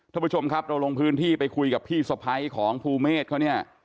ท่านผู้ชมครับเราลงพื้นที่ไปคุยกับพี่สะพ้ายของภูเมฆเขาเนี่ย